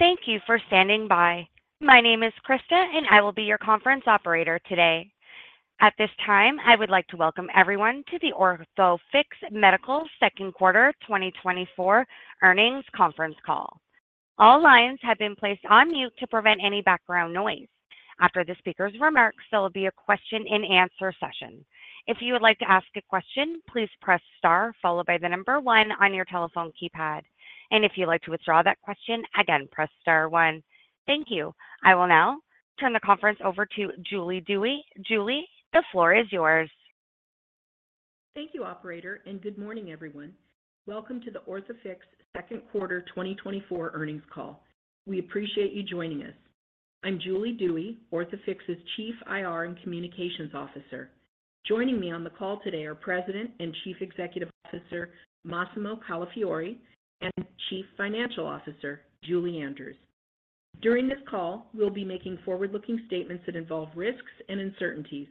Thank you for standing by. My name is Krista, and I will be your conference operator today. At this time, I would like to welcome everyone to the Orthofix Medical Second Quarter 2024 Earnings Conference Call. All lines have been placed on mute to prevent any background noise. After the speaker's remarks, there will be a question-and-answer session. If you would like to ask a question, please press star followed by the number one on your telephone keypad. And if you'd like to withdraw that question, again, press star one. Thank you. I will now turn the conference over to Julie Dewey. Julie, the floor is yours. Thank you, operator, and good morning, everyone. Welcome to the Orthofix Second Quarter 2024 Earnings Call. We appreciate you joining us. I'm Julie Dewey, Orthofix's Chief IR and Communications Officer. Joining me on the call today are President and Chief Executive Officer, Massimo Calafiore, and Chief Financial Officer, Julie Andrews. During this call, we'll be making forward-looking statements that involve risks and uncertainties.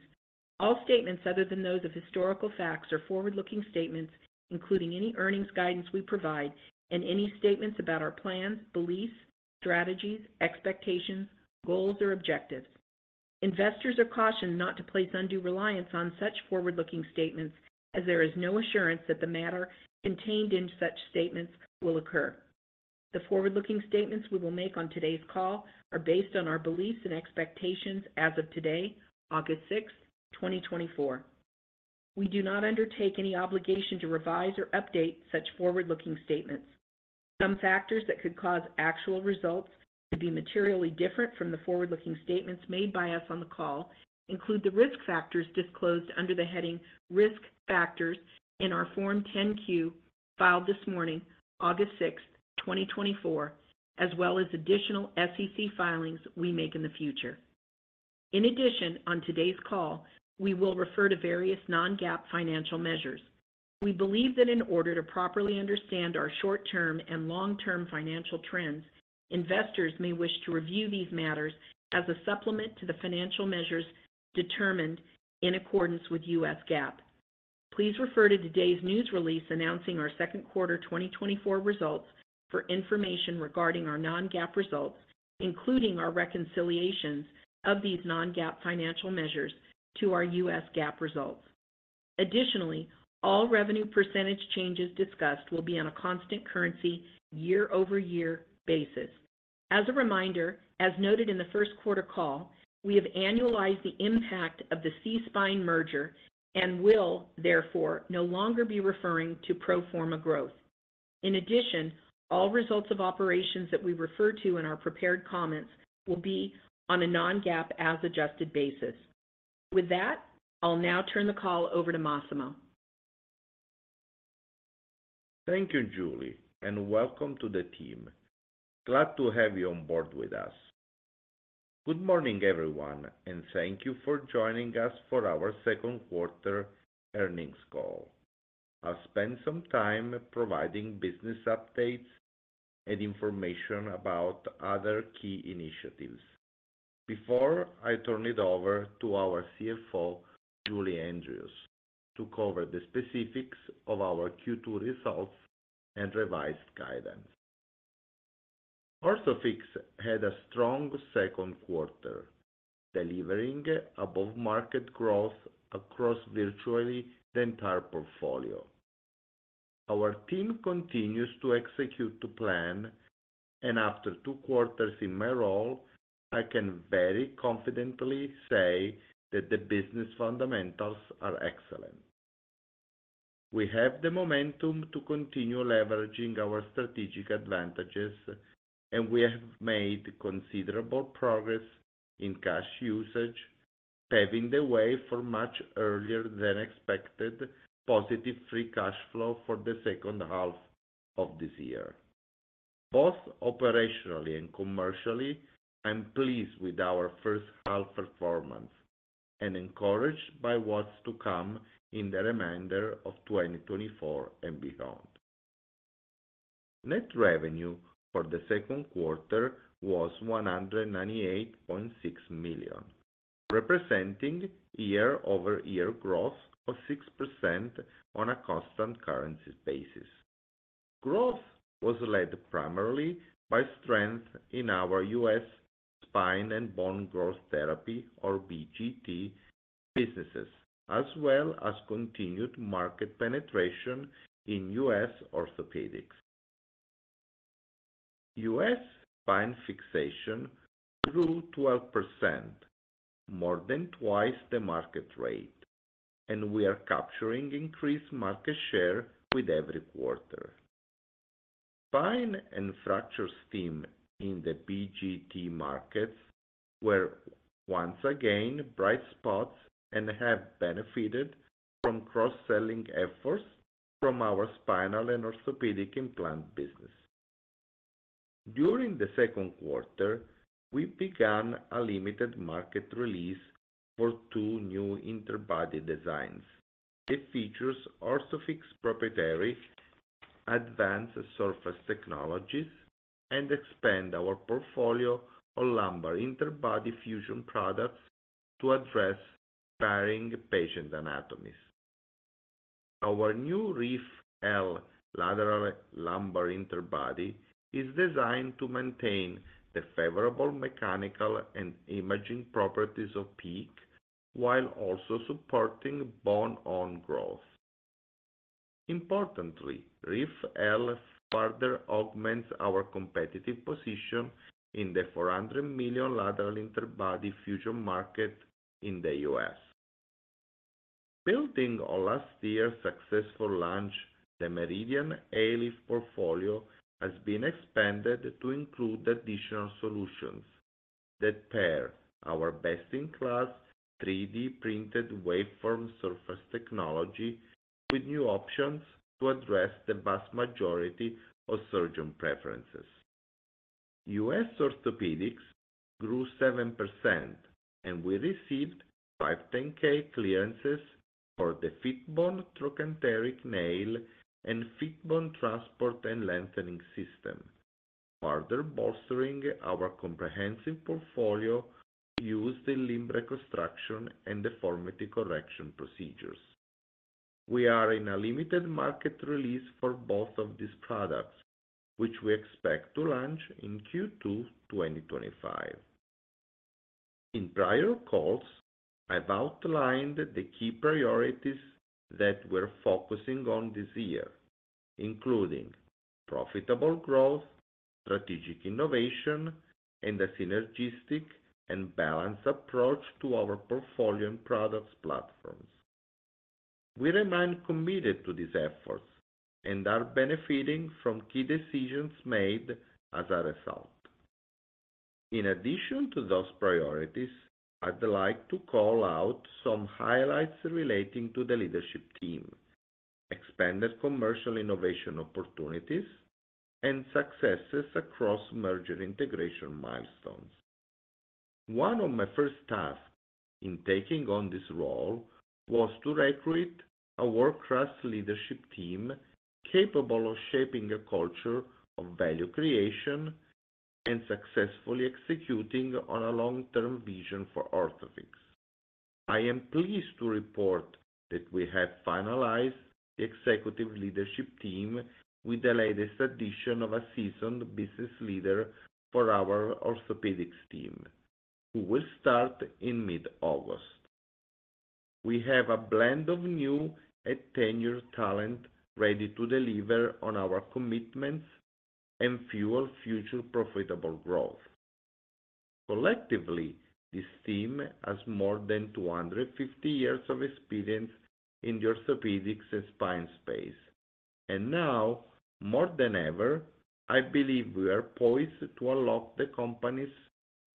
All statements other than those of historical facts are forward-looking statements, including any earnings guidance we provide, and any statements about our plans, beliefs, strategies, expectations, goals, or objectives. Investors are cautioned not to place undue reliance on such forward-looking statements as there is no assurance that the matter contained in such statements will occur. The forward-looking statements we will make on today's call are based on our beliefs and expectations as of today, August 6, 2024. We do not undertake any obligation to revise or update such forward-looking statements. Some factors that could cause actual results to be materially different from the forward-looking statements made by us on the call include the risk factors disclosed under the heading "Risk Factors" in our Form 10-Q, filed this morning, August 6, 2024, as well as additional SEC filings we make in the future. In addition, on today's call, we will refer to various non-GAAP financial measures. We believe that in order to properly understand our short-term and long-term financial trends, investors may wish to review these matters as a supplement to the financial measures determined in accordance with U.S. GAAP. Please refer to today's news release announcing our second quarter 2024 results for information regarding our non-GAAP results, including our reconciliations of these non-GAAP financial measures to our U.S. GAAP results. Additionally, all revenue percentage changes discussed will be on a constant currency, year-over-year basis. As a reminder, as noted in the first quarter call, we have annualized the impact of the SeaSpine merger and will therefore no longer be referring to pro forma growth. In addition, all results of operations that we refer to in our prepared comments will be on a non-GAAP as adjusted basis. With that, I'll now turn the call over to Massimo. Thank you, Julie, and welcome to the team. Glad to have you on board with us. Good morning, everyone, and thank you for joining us for our second quarter earnings call. I'll spend some time providing business updates and information about other key initiatives before I turn it over to our CFO, Julie Andrews, to cover the specifics of our Q2 results and revised guidance. Orthofix had a strong second quarter, delivering above-market growth across virtually the entire portfolio. Our team continues to execute to plan, and after two quarters in my role, I can very confidently say that the business fundamentals are excellent. We have the momentum to continue leveraging our strategic advantages, and we have made considerable progress in cash usage, paving the way for much earlier than expected positive free cash flow for the second half of this year. Both operationally and commercially, I'm pleased with our first half performance and encouraged by what's to come in the remainder of 2024 and beyond. Net revenue for the second quarter was $198.6 million, representing year-over-year growth of 6% on a constant currency basis. Growth was led primarily by strength in our U.S. spine and bone growth therapy, or BGT, businesses, as well as continued market penetration in U.S. orthopedics. U.S. spine fixation grew 12%, more than twice the market rate, and we are capturing increased market share with every quarter. Spine and fractures stim in the BGT markets were once again bright spots and have benefited from cross-selling efforts from our spinal and orthopedic implant business. During the second quarter, we began a limited market release for two new interbody designs. It features Orthofix proprietary advanced surface technologies and expand our portfolio of lumbar interbody fusion products to address varying patient anatomies. Our new Reef L Lateral Lumbar Interbody is designed to maintain the favorable mechanical and imaging properties of PEEK, while also supporting bone ongrowth. Importantly, Reef L further augments our competitive position in the $400 million lateral interbody fusion market in the U.S. Building on last year's successful launch, the Meridian ALIF portfolio has been expanded to include additional solutions that pair our best-in-class 3D printed WaveForm surface technology with new options to address the vast majority of surgeon preferences. U.S. orthopedics grew 7%, and we received five 510(k) clearances for the FitBone Trochanteric Nail and FitBone Transport and Lengthening System, further bolstering our comprehensive portfolio used in limb reconstruction and deformity correction procedures. We are in a limited market release for both of these products, which we expect to launch in Q2, 2025. In prior calls, I've outlined the key priorities that we're focusing on this year, including profitable growth, strategic innovation, and a synergistic and balanced approach to our portfolio and products platforms. We remain committed to these efforts and are benefiting from key decisions made as a result. In addition to those priorities, I'd like to call out some highlights relating to the leadership team, expanded commercial innovation opportunities, and successes across merger integration milestones. One of my first tasks in taking on this role was to recruit a world-class leadership team capable of shaping a culture of value creation and successfully executing on a long-term vision for Orthofix. I am pleased to report that we have finalized the executive leadership team with the latest addition of a seasoned business leader for our orthopedics team, who will start in mid-August. We have a blend of new and tenured talent ready to deliver on our commitments and fuel future profitable growth. Collectively, this team has more than 250 years of experience in the orthopedics and spine space, and now, more than ever, I believe we are poised to unlock the company's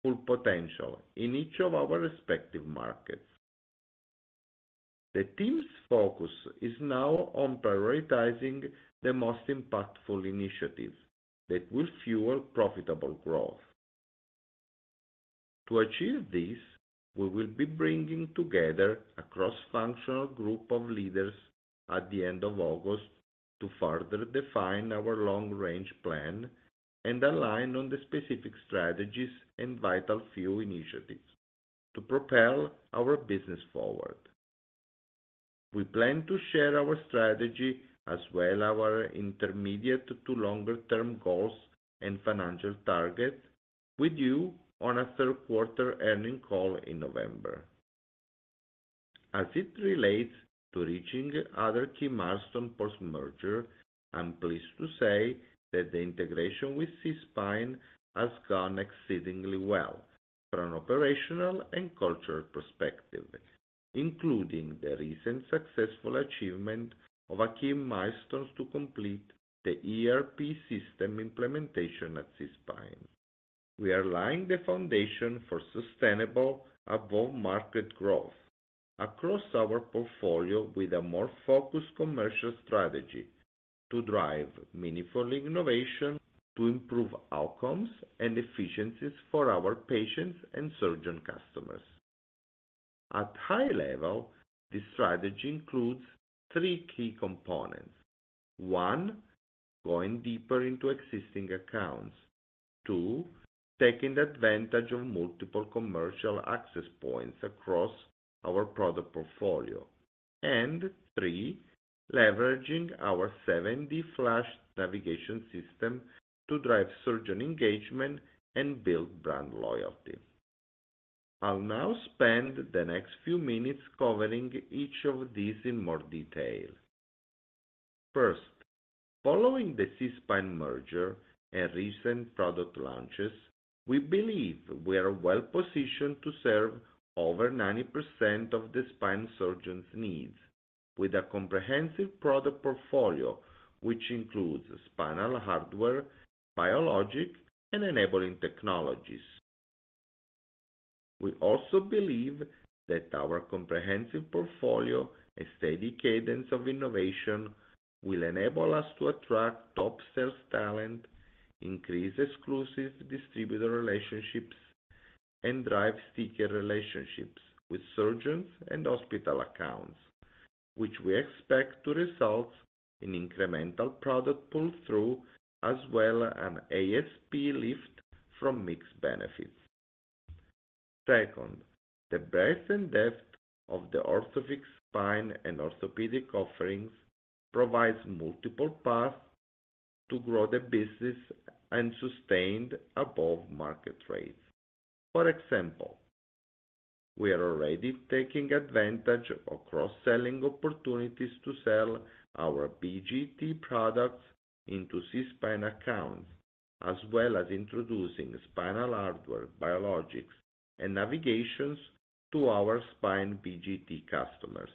full potential in each of our respective markets. The team's focus is now on prioritizing the most impactful initiatives that will fuel profitable growth. To achieve this, we will be bringing together a cross-functional group of leaders at the end of August to further define our long-range plan and align on the specific strategies and vital few initiatives to propel our business forward. We plan to share our strategy, as well as our intermediate to longer-term goals and financial targets with you on a third quarter earnings call in November. As it relates to reaching other key milestones post-merger, I'm pleased to say that the integration with SeaSpine has gone exceedingly well from an operational and cultural perspective, including the recent successful achievement of a key milestone to complete the ERP system implementation at SeaSpine. We are laying the foundation for sustainable above-market growth across our portfolio with a more focused commercial strategy to drive meaningful innovation, to improve outcomes and efficiencies for our patients and surgeon customers. At a high level, this strategy includes three key components: one, going deeper into existing accounts. Two, taking advantage of multiple commercial access points across our product portfolio. And three, leveraging our 7D FLASH Navigation System to drive surgeon engagement and build brand loyalty. I'll now spend the next few minutes covering each of these in more detail. First, following the SeaSpine merger and recent product launches, we believe we are well positioned to serve over 90% of the spine surgeons' needs with a comprehensive product portfolio, which includes spinal hardware, biologic, and enabling technologies. We also believe that our comprehensive portfolio and steady cadence of innovation will enable us to attract top sales talent, increase exclusive distributor relationships, and drive sticky relationships with surgeons and hospital accounts, which we expect to result in incremental product pull-through, as well as an ASP lift from mix benefits. Second, the breadth and depth of the Orthofix spine and orthopedic offerings provides multiple paths to grow the business and sustained above market rates. For example, we are already taking advantage of cross-selling opportunities to sell our BGT products into SeaSpine accounts, as well as introducing spinal hardware, biologics, and navigations to our spine BGT customers.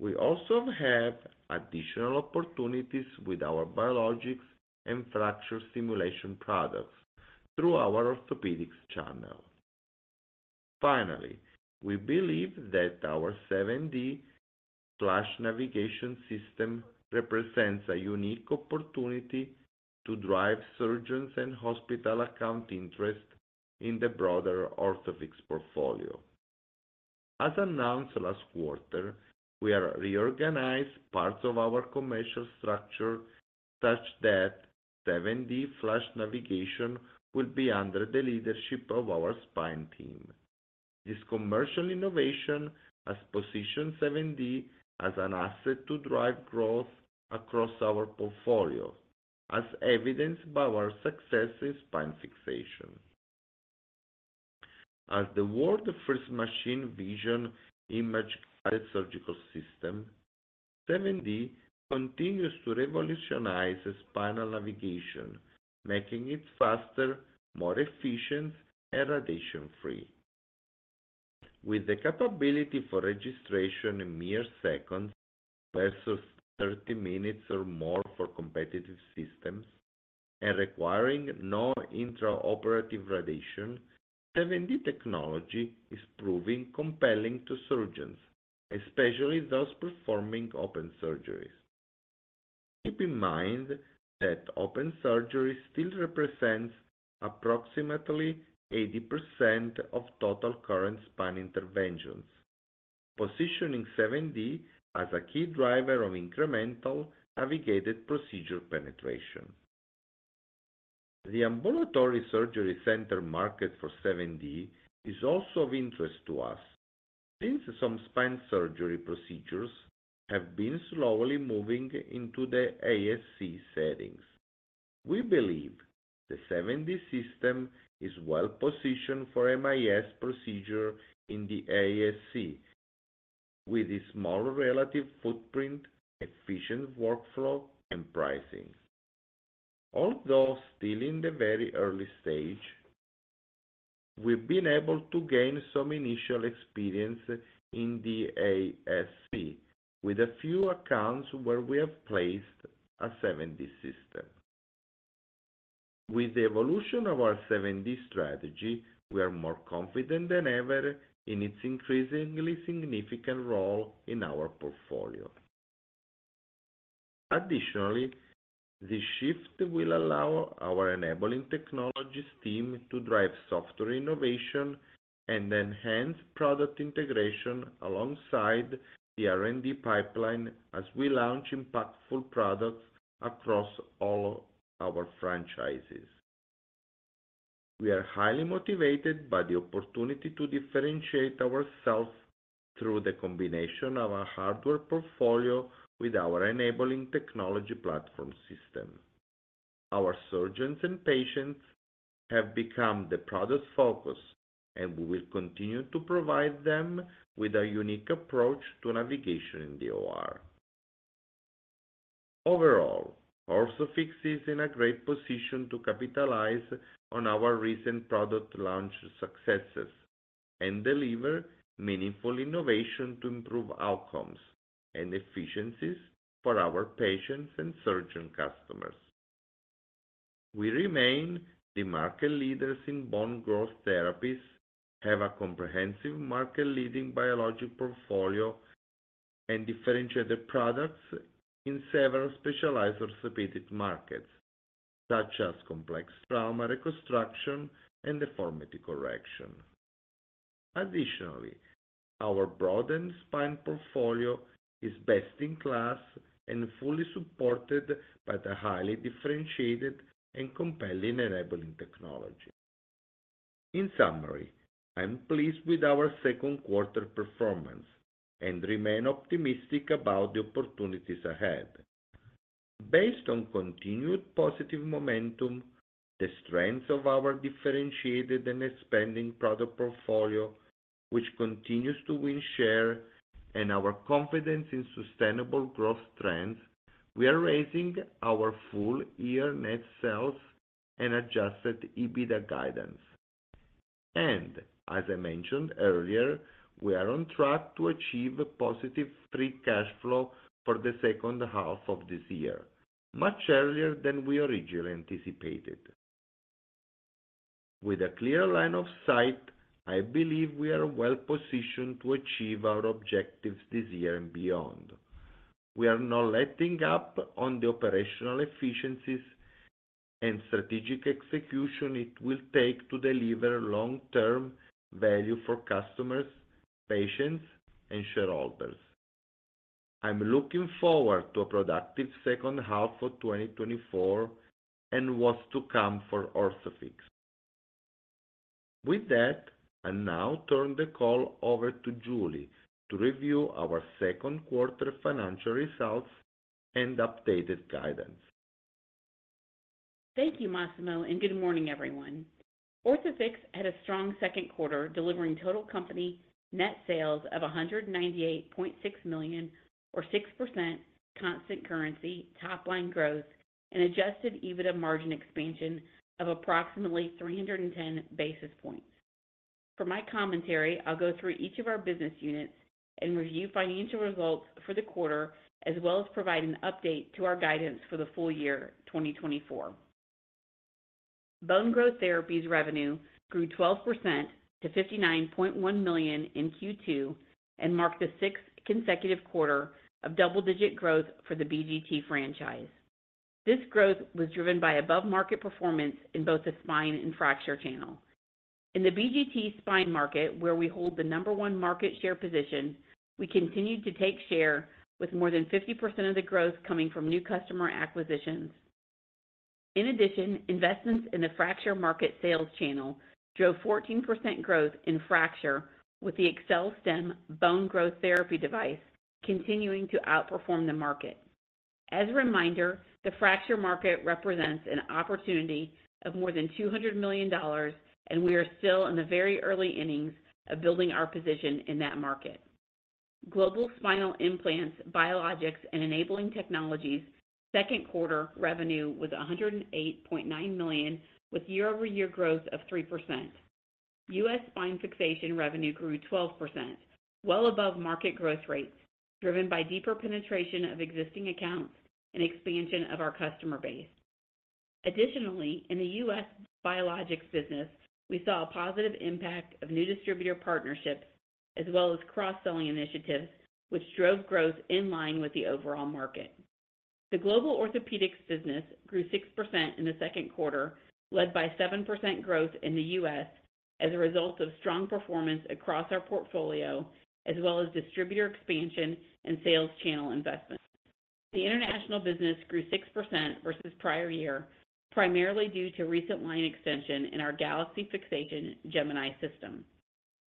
We also have additional opportunities with our biologics and fracture stimulation products through our orthopedics channel. Finally, we believe that our 7D FLASH Navigation System represents a unique opportunity to drive surgeons and hospital account interest in the broader Orthofix portfolio. As announced last quarter, we are reorganizing parts of our commercial structure such that 7D FLASH Navigation will be under the leadership of our spine team. This commercial innovation has positioned 7D FLASH as an asset to drive growth across our portfolio, as evidenced by our success in spine fixation. As the world's first machine vision image-guided surgical system, 7D FLASH continues to revolutionize spinal navigation, making it faster, more efficient, and radiation-free. With the capability for registration in mere seconds versus 30 minutes or more for competitive systems, and requiring no intraoperative radiation, 7D technology is proving compelling to surgeons, especially those performing open surgeries. Keep in mind that open surgery still represents approximately 80% of total current spine interventions, positioning 7D as a key driver of incremental navigated procedure penetration. The ambulatory surgery center market for 7D is also of interest to us, since some spine surgery procedures have been slowly moving into the ASC settings. We believe the 7D system is well-positioned for MIS procedure in the ASC with a small relative footprint, efficient workflow, and pricing. Although still in the very early stage, we've been able to gain some initial experience in the ASC with a few accounts where we have placed a 7D system. With the evolution of our 7D strategy, we are more confident than ever in its increasingly significant role in our portfolio. Additionally, this shift will allow our enabling technologies team to drive software innovation and enhance product integration alongside the R&D pipeline as we launch impactful products across all our franchises. We are highly motivated by the opportunity to differentiate ourselves through the combination of our hardware portfolio with our enabling technology platform system. Our surgeons and patients have become the product's focus, and we will continue to provide them with a unique approach to navigation in the OR. Overall, Orthofix is in a great position to capitalize on our recent product launch successes and deliver meaningful innovation to improve outcomes and efficiencies for our patients and surgeon customers. We remain the market leaders in Bone Growth Therapies, have a comprehensive market-leading Biologics portfolio, and differentiated products in several specialized Orthopedics markets, such as complex trauma reconstruction and deformity correction. Additionally, our broadened spine portfolio is best in class and fully supported by the highly differentiated and compelling enabling technology. In summary, I'm pleased with our second quarter performance and remain optimistic about the opportunities ahead. Based on continued positive momentum, the strength of our differentiated and expanding product portfolio, which continues to win share, and our confidence in sustainable growth trends, we are raising our full-year net sales and Adjusted EBITDA guidance. As I mentioned earlier, we are on track to achieve a positive free cash flow for the second half of this year, much earlier than we originally anticipated. With a clear line of sight, I believe we are well positioned to achieve our objectives this year and beyond. We are not letting up on the operational efficiencies and strategic execution it will take to deliver long-term value for customers, patients, and shareholders. I'm looking forward to a productive second half of 2024, and what's to come for Orthofix. With that, I now turn the call over to Julie to review our second quarter financial results and updated guidance. Thank you, Massimo, and good morning, everyone. Orthofix had a strong second quarter, delivering total company net sales of $198.6 million, or 6% constant currency topline growth, and adjusted EBITDA margin expansion of approximately 310 basis points. For my commentary, I'll go through each of our business units and review financial results for the quarter, as well as provide an update to our guidance for the full-year 2024. Bone Growth Therapies revenue grew 12% to $59.1 million in Q2, and marked the sixth consecutive quarter of double-digit growth for the BGT franchise. This growth was driven by above-market performance in both the spine and fracture channel. In the BGT spine market, where we hold the number one market share position, we continued to take share with more than 50% of the growth coming from new customer acquisitions. In addition, investments in the fracture market sales channel drove 14% growth in fracture, with the AccelStim bone growth therapy device continuing to outperform the market. As a reminder, the fracture market represents an opportunity of more than $200 million, and we are still in the very early innings of building our position in that market. Global spinal implants, biologics, and enabling technologies' second quarter revenue was $108.9 million, with year-over-year growth of 3%. U.S. spine fixation revenue grew 12%, well above market growth rates, driven by deeper penetration of existing accounts and expansion of our customer base. Additionally, in the U.S. Biologics business, we saw a positive impact of new distributor partnerships, as well as cross-selling initiatives, which drove growth in line with the overall market. The global Orthopedics business grew 6% in the second quarter, led by 7% growth in the U.S. as a result of strong performance across our portfolio, as well as distributor expansion and sales channel investments. The International business grew 6% versus prior year, primarily due to recent line extension in our Galaxy Fixation Gemini system.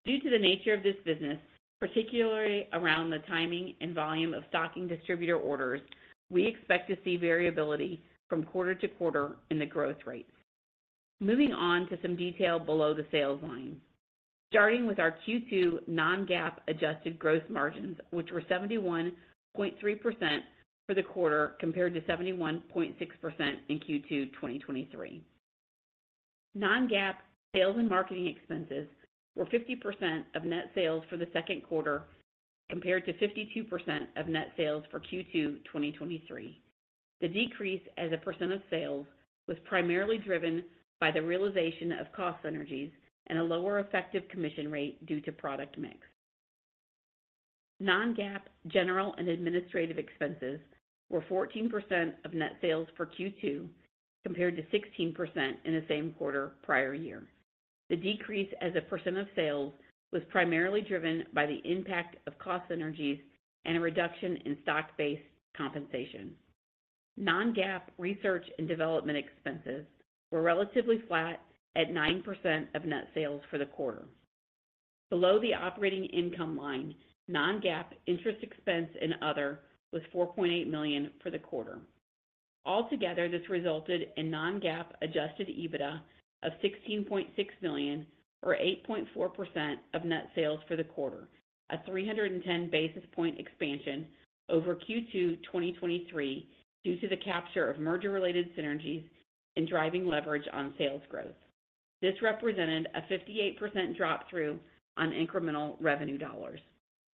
Due to the nature of this business, particularly around the timing and volume of stocking distributor orders, we expect to see variability from quarter-to-quarter in the growth rates. Moving on to some detail below the sales line. Starting with our Q2 non-GAAP adjusted gross margins, which were 71.3% for the quarter, compared to 71.6% in Q2 2023. Non-GAAP sales and marketing expenses were 50% of net sales for the second quarter, compared to 52% of net sales for Q2 2023. The decrease as a percent of sales, was primarily driven by the realization of cost synergies and a lower effective commission rate due to product mix. Non-GAAP general and administrative expenses were 14% of net sales for Q2, compared to 16% in the same quarter prior year. The decrease as a percent of sales, was primarily driven by the impact of cost synergies and a reduction in stock-based compensation. Non-GAAP research and development expenses were relatively flat at 9% of net sales for the quarter. Below the operating income line, non-GAAP interest expense and other was $4.8 million for the quarter. Altogether, this resulted in non-GAAP adjusted EBITDA of $16.6 million, or 8.4% of net sales for the quarter, a 310 basis point expansion over Q2 2023, due to the capture of merger-related synergies and driving leverage on sales growth. This represented a 58% drop through on incremental revenue dollars.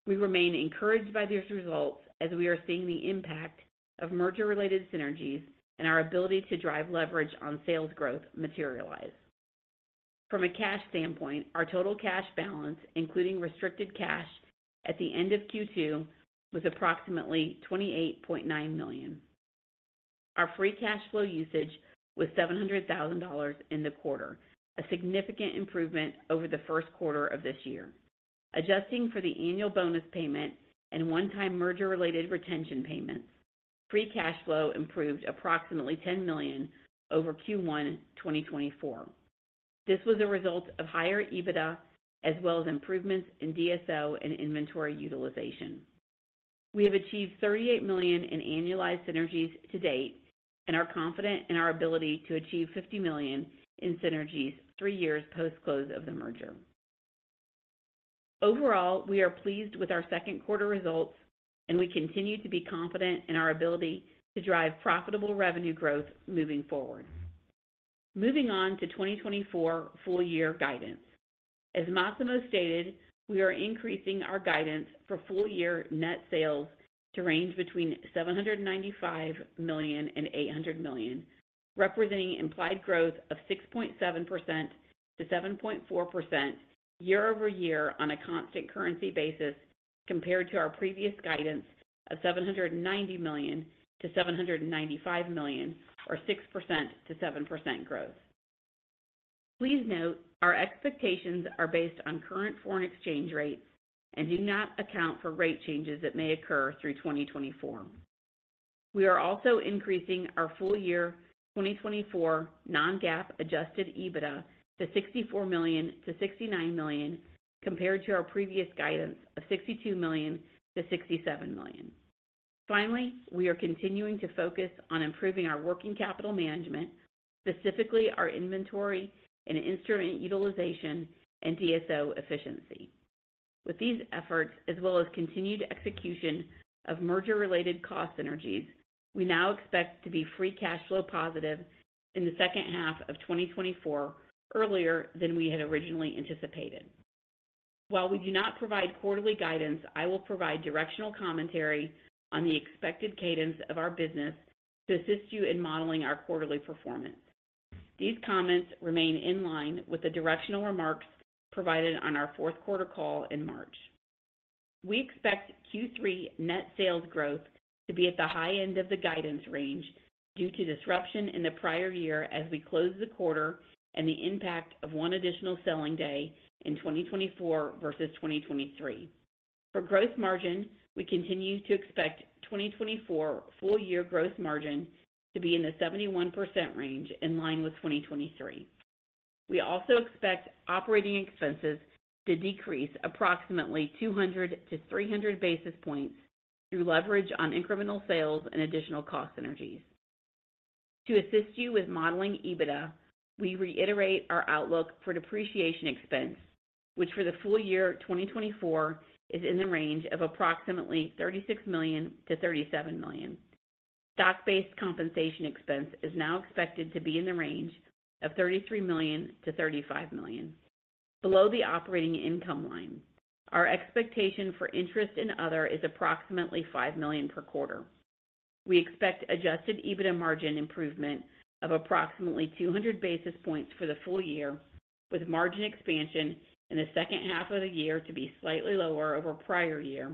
We remain encouraged by these results as we are seeing the impact of merger-related synergies and our ability to drive leverage on sales growth materialize. From a cash standpoint, our total cash balance, including restricted cash at the end of Q2, was approximately $28.9 million. Our free cash flow usage was $700,000 in the quarter, a significant improvement over the first quarter of this year. Adjusting for the annual bonus payment and one-time merger-related retention payments, free cash flow improved approximately $10 million over Q1 2024. This was a result of higher EBITDA, as well as improvements in DSO and inventory utilization. We have achieved $38 million in annualized synergies to date, and are confident in our ability to achieve $50 million in synergies three years post-close of the merger. Overall, we are pleased with our second quarter results, and we continue to be confident in our ability to drive profitable revenue growth moving forward. Moving on to 2024 full year guidance. As Massimo stated, we are increasing our guidance for full-year net sales to range between $795 million and $800 million, representing implied growth of 6.7%-7.4% year-over-year on a constant currency basis, compared to our previous guidance of $790 million-795 million, or 6%-7% growth. Please note our expectations are based on current foreign exchange rates and do not account for rate changes that may occur through 2024. We are also increasing our full-year 2024 non-GAAP adjusted EBITDA to $64 million-69 million, compared to our previous guidance of $62 million-67 million. Finally, we are continuing to focus on improving our working capital management, specifically our inventory and instrument utilization and DSO efficiency. With these efforts, as well as continued execution of merger-related cost synergies, we now expect to be free cash flow positive in the second half of 2024, earlier than we had originally anticipated. While we do not provide quarterly guidance, I will provide directional commentary on the expected cadence of our business to assist you in modeling our quarterly performance. These comments remain in line with the directional remarks provided on our fourth quarter call in March. We expect Q3 net sales growth to be at the high end of the guidance range due to disruption in the prior year as we close the quarter and the impact of one additional selling day in 2024 versus 2023. For gross margin, we continue to expect 2024 full-year gross margin to be in the 71% range, in line with 2023. We also expect operating expenses to decrease approximately 200-300 basis points through leverage on incremental sales and additional cost synergies. To assist you with modeling EBITDA, we reiterate our outlook for depreciation expense, which for the full-year 2024 is in the range of approximately $36 million-37 million. Stock-based compensation expense is now expected to be in the range of $33 million-35 million. Below the operating income line, our expectation for interest and other is approximately $5 million per quarter. We expect adjusted EBITDA margin improvement of approximately 200 basis points for the full-year, with margin expansion in the second half of the year to be slightly lower over prior year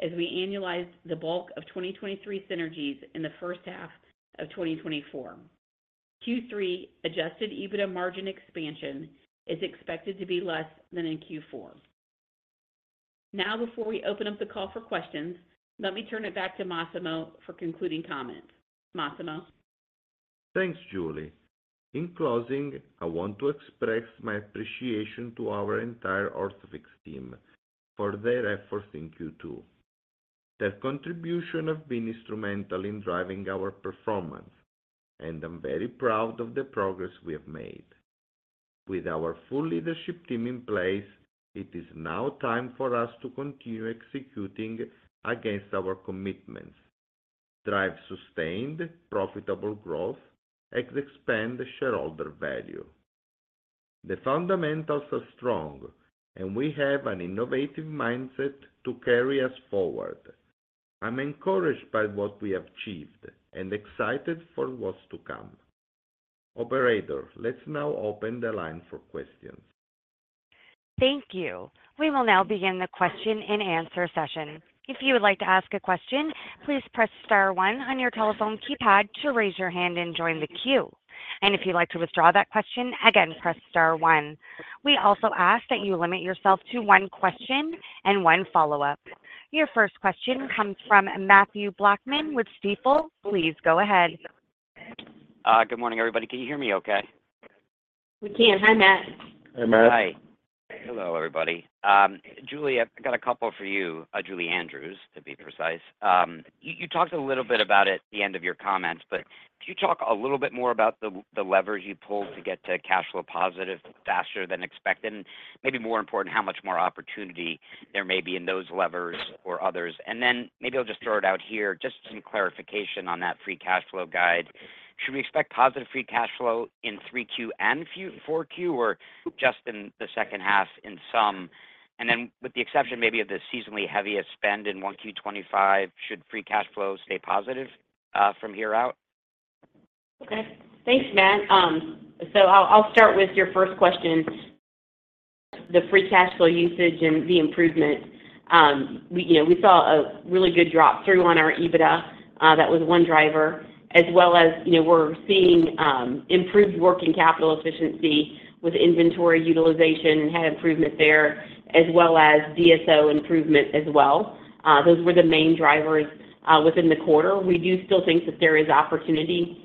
as we annualize the bulk of 2023 synergies in the first half of 2024. Q3 adjusted EBITDA margin expansion is expected to be less than in Q4. Now, before we open up the call for questions, let me turn it back to Massimo for concluding comments. Massimo? Thanks, Julie. In closing, I want to express my appreciation to our entire Orthofix team for their efforts in Q2. Their contributions have been instrumental in driving our performance, and I'm very proud of the progress we have made. With our full leadership team in place, it is now time for us to continue executing against our commitments, drive sustained, profitable growth, and expand shareholder value. The fundamentals are strong, and we have an innovative mindset to carry us forward. I'm encouraged by what we have achieved and excited for what's to come. Operator, let's now open the line for questions. Thank you. We will now begin the question-and-answer session. If you would like to ask a question, please press star one on your telephone keypad to raise your hand and join the queue. If you'd like to withdraw that question, again, press star one. We also ask that you limit yourself to one question and one follow-up. Your first question comes from Mathew Blackman with Stifel. Please go ahead. Good morning, everybody. Can you hear me okay? We can. Hi, Matt. Hi, Matt. Hi. Hello, everybody. Julie, I've got a couple for you, Julie Andrews, to be precise. You talked a little bit about it at the end of your comments, but could you talk a little bit more about the levers you pulled to get to cash flow positive faster than expected? And maybe more important, how much more opportunity there may be in those levers or others? And then maybe I'll just throw it out here, just some clarification on that free cash flow guide. Should we expect positive free cash flow in 3Q and 4Q, or just in the second half in sum? And then, with the exception maybe of the seasonally heaviest spend in 1Q 2025, should free cash flow stay positive from here out? Okay. Thanks, Matt. So I'll start with your first question, the free cash flow usage and the improvement. We, you know, we saw a really good drop through on our EBITDA. That was one driver. As well as, you know, we're seeing improved working capital efficiency with inventory utilization and had improvement there, as well as DSO improvement as well. Those were the main drivers within the quarter. We do still think that there is opportunity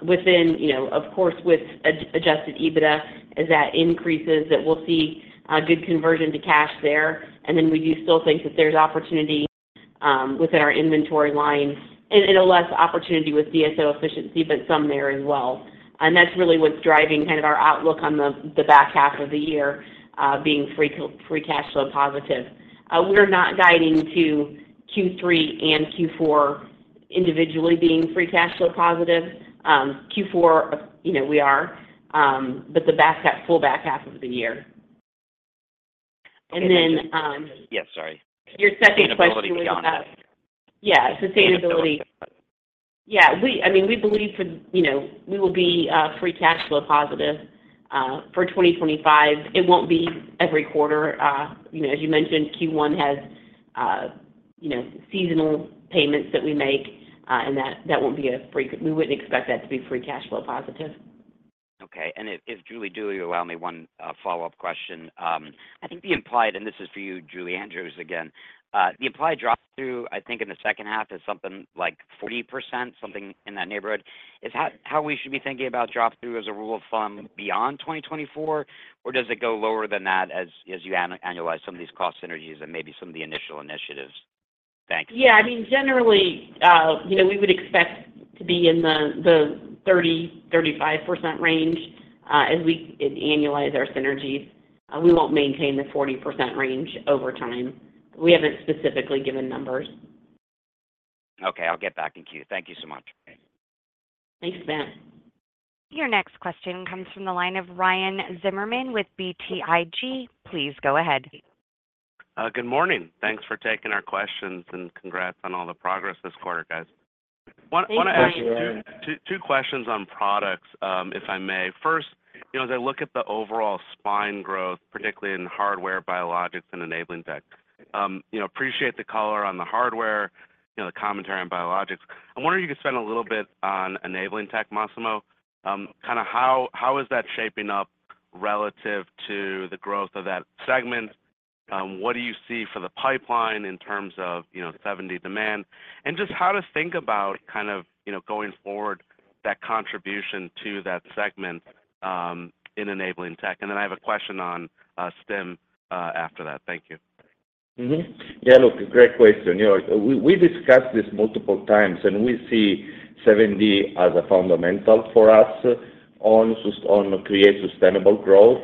within, you know, of course, with adjusted EBITDA, as that increases, that we'll see a good conversion to cash there. And then we do still think that there's opportunity within our inventory lines and a less opportunity with DSO efficiency, but some there as well. That's really what's driving kind of our outlook on the back half of the year being free cash flow positive. We're not guiding to Q3 and Q4 individually being free cash flow positive. Q4, you know, we are, but the back half, full back half of the year. And then- Yeah, sorry. Your second question was- Sustainability beyond. Yeah, sustainability. Okay. Yeah. We, I mean, we believe for, you know, we will be free cash flow positive for 2025. It won't be every quarter. You know, as you mentioned, Q1 has you know, seasonal payments that we make, and that won't be free cash flow—we wouldn't expect that to be free cash flow positive. Okay. And if Julie Dewey, you allow me one follow-up question. I think the implied, and this is for you, Julie Andrews, again, the implied drop-through, I think in the second half, is something like 40%, something in that neighborhood. Is how we should be thinking about drop-through as a rule of thumb beyond 2024, or does it go lower than that as you annualize some of these cost synergies and maybe some of the initial initiatives? Thanks. Yeah, I mean, generally, you know, we would expect to be in the 30%-35% range as we annualize our synergies. We won't maintain the 40% range over time. We haven't specifically given numbers. Okay, I'll get back in queue. Thank you so much. Thanks, again. Your next question comes from the line of Ryan Zimmerman with BTIG. Please go ahead. Good morning. Thanks for taking our questions, and congrats on all the progress this quarter, guys. Thanks, Ryan. I wanna ask two questions on products, if I may. First, you know, as I look at the overall spine growth, particularly in hardware, biologics, and enabling tech, you know, appreciate the color on the hardware, you know, the commentary on biologics. I wonder if you could spend a little bit on enabling tech, Massimo. Kind of how is that shaping up relative to the growth of that segment? What do you see for the pipeline in terms of, you know, 7D demand? And just how to think about kind of, you know, going forward, that contribution to that segment, in enabling tech. And then I have a question on Stim after that. Thank you. Mm-hmm. Yeah, look, great question. You know, we discussed this multiple times, and we see 7D as a fundamental for us on creating sustainable growth.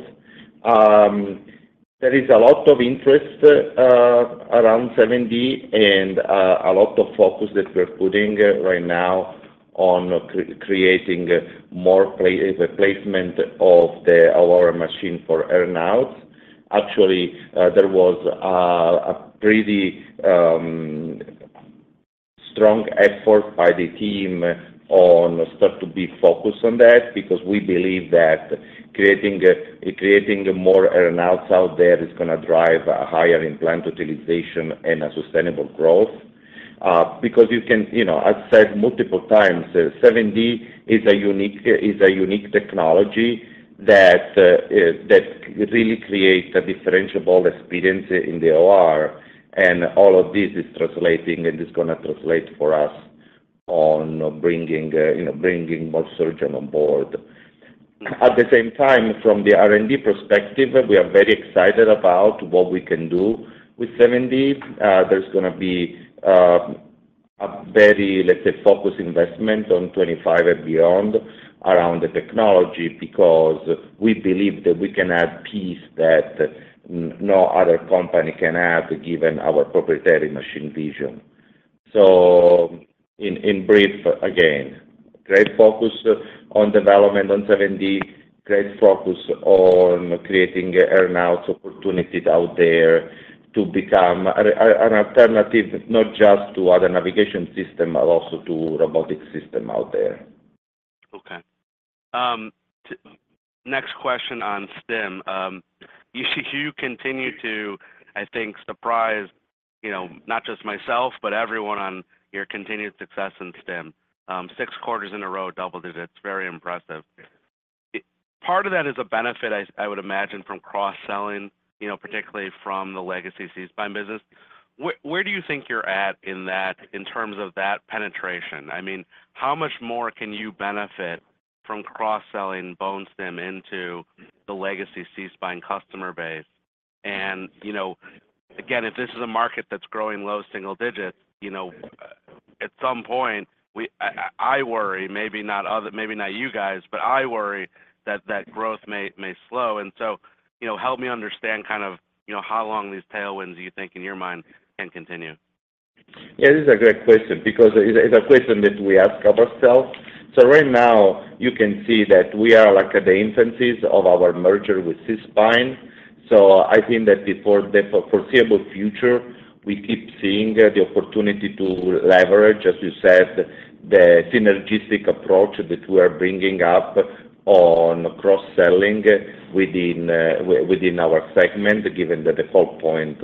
There is a lot of interest around 7D and a lot of focus that we're putting right now on creating more placement of the our machine for earn-out. Actually, there was a pretty strong effort by the team on starting to be focused on that because we believe that creating more earn-outs out there is gonna drive a higher implant utilization and a sustainable growth. Because you can... You know, I've said multiple times, 7D is a unique, is a unique technology that really creates a differentiable experience in the OR, and all of this is translating and is gonna translate for us on bringing you know, bringing more surgeons on board. At the same time, from the R&D perspective, we are very excited about what we can do with 7D. There's gonna be a very, let's say, focused investment on 25 and beyond around the technology because we believe that we can add pieces that no other company can add, given our proprietary machine vision. So in brief, again, great focus on development on 7D, great focus on creating earn-out opportunities out there to become an alternative not just to other navigation systems, but also to robotic systems out there. Okay. Next question on Stim. You continue to, I think, surprise, you know, not just myself, but everyone on your continued success in Stim. Six quarters in a row, double digits, very impressive. Part of that is a benefit, I would imagine, from cross-selling, you know, particularly from the legacy Spine business. Where do you think you're at in that, in terms of that penetration? I mean, how much more can you benefit from cross-selling bone stim into the legacy SeaSpine customer base? And, you know, again, if this is a market that's growing low single digits, you know, at some point, we... I worry, maybe not other, maybe not you guys, but I worry that that growth may slow. And so, you know, help me understand kind of, you know, how long these tailwinds do you think, in your mind, can continue? Yeah, this is a great question because it's a, it's a question that we ask ourselves. So right now, you can see that we are, like, at the infancies of our merger with SeaSpine. So I think that before the foreseeable future, we keep seeing the opportunity to leverage, as you said, the synergistic approach that we are bringing up on cross-selling within, within our segment, given that the call point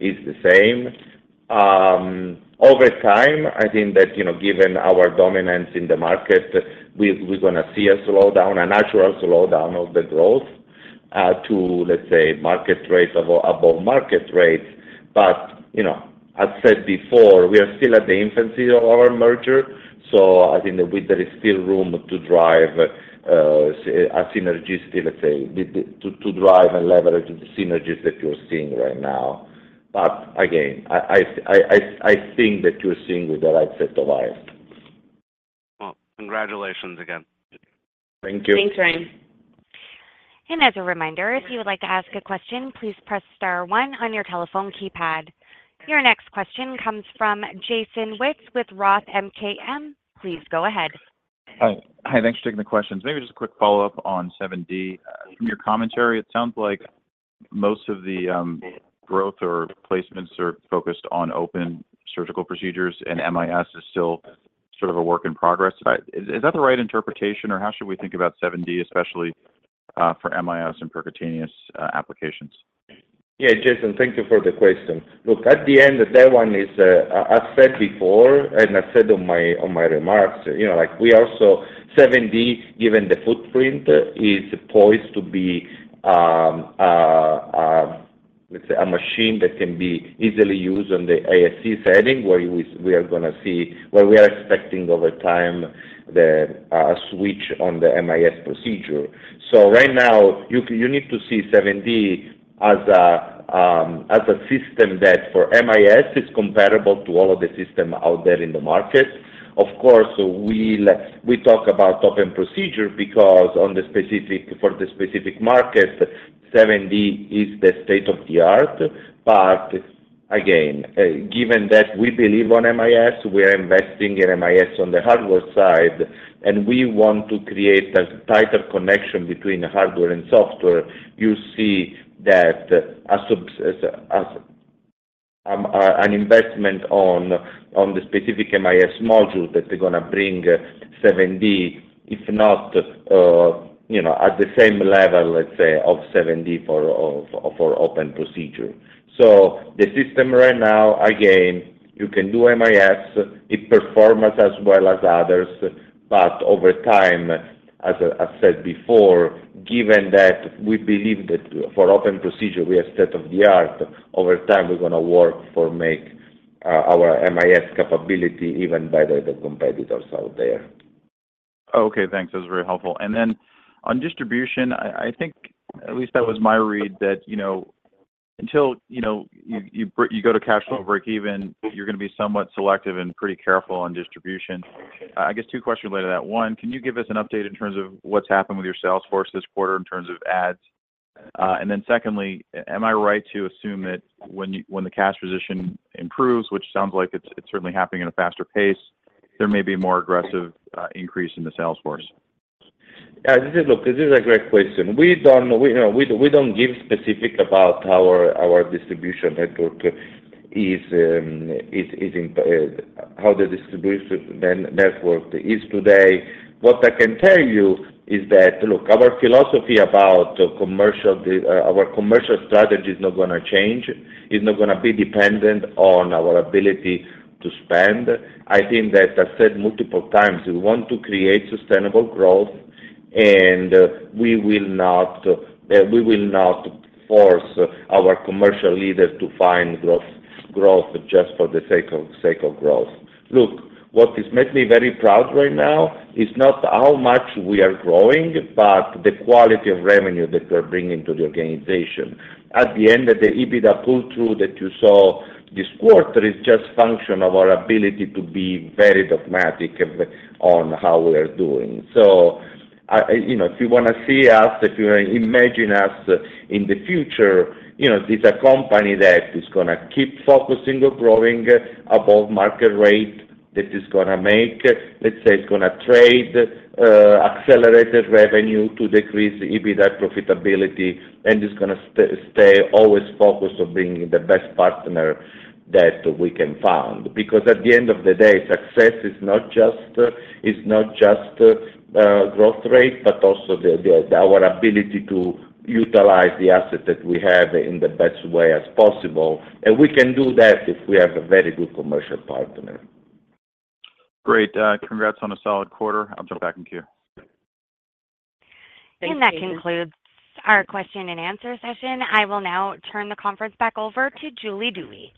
is the same. Over time, I think that, you know, given our dominance in the market, we, we're gonna see a slowdown, a natural slowdown of the growth, to, let's say, market rate, above market rate. But, you know, I've said before, we are still at the infancy of our merger, so I think that there is still room to drive a synergistic, let's say, with the- to drive and leverage the synergies that you're seeing right now. But again, I think that you're seeing with the right set of eyes. Well, congratulations again. Thank you. Thanks, Ryan. As a reminder, if you would like to ask a question, please press star one on your telephone keypad. Your next question comes from Jason Wittes with Roth MKM. Please go ahead. Hi. Hi, thanks for taking the questions. Maybe just a quick follow-up on 7D. From your commentary, it sounds like most of the growth or placements are focused on open surgical procedures, and MIS is still sort of a work in progress. Is that the right interpretation, or how should we think about 7D, especially for MIS and percutaneous applications? Yeah, Jason, thank you for the question. Look, at the end of that one is, I, I've said before, and I said on my, on my remarks, you know, like, we also, 7D, given the footprint, is poised to be, let's say, a machine that can be easily used on the ASC setting, where we, we are gonna see. Where we are expecting over time, the, switch on the MIS procedure. So right now, you, you need to see 7D as a, as a system that for MIS, is comparable to all of the system out there in the market. Of course, we le- we talk about open procedure because on the specific, for the specific market, 7D is the state-of-the-art. But again, given that we believe on MIS, we are investing in MIS on the hardware side, and we want to create a tighter connection between hardware and software, you see that as, as, an investment on, on the specific MIS module that they're gonna bring 7D, if not, you know, at the same level, let's say, of 7D for, of, for open procedure. So the system right now, again, you can do MIS, it performs as well as others, but over time, as I, I've said before, given that we believe that for open procedure, we are state-of-the-art, over time, we're gonna work for make, our MIS capability even better than competitors out there. Okay, thanks. That was very helpful. And then on distribution, I think, at least that was my read, that you know, you go to cash flow breakeven, you're gonna be somewhat selective and pretty careful on distribution. I guess two questions related to that. One, can you give us an update in terms of what's happened with your sales force this quarter in terms of adds? And then secondly, am I right to assume that when the cash position improves, which sounds like it's certainly happening at a faster pace, there may be more aggressive increase in the sales force? Yeah, Look, this is a great question. We don't give specific about how our distribution network is, how the distribution network is today. What I can tell you is that, look, our philosophy about commercial, our commercial strategy is not gonna change. It's not gonna be dependent on our ability to spend. I think that I said multiple times, we want to create sustainable growth, and we will not force our commercial leaders to find growth just for the sake of growth. Look, what makes me very proud right now is not how much we are growing, but the quality of revenue that we're bringing to the organization. At the end of the EBITDA pull-through that you saw this quarter, is just function of our ability to be very dogmatic of, on how we're doing. So I, you know, if you wanna see us, if you imagine us in the future, you know, this a company that is gonna keep focusing on growing above market rate, that is gonna make, let's say, is gonna trade accelerated revenue to decrease EBITDA profitability, and is gonna stay always focused on being the best partner that we can find. Because at the end of the day, success is not just, is not just growth rate, but also the, the our ability to utilize the asset that we have in the best way as possible. And we can do that if we have a very good commercial partner. Great. Congrats on a solid quarter. I'll jump back in queue. That concludes our question and answer session. I will now turn the conference back over to Julie Dewey.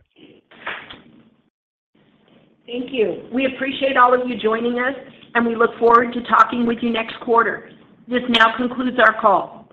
Thank you. We appreciate all of you joining us, and we look forward to talking with you next quarter. This now concludes our call.